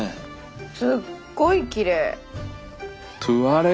すっごいきれい！